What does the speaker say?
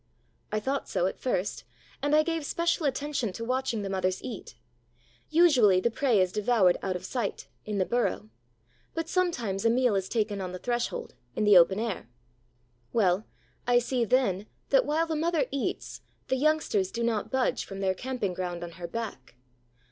I thought so at first; and I gave special attention to watching the mothers eat. Usually, the prey is devoured out of sight, in the burrow; but sometimes a meal is taken on the threshold, in the open air. Well, I see then that while the mother eats, the youngsters do not budge from their camping ground on her back.